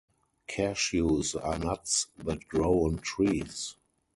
Cashews are nuts that grow on trees.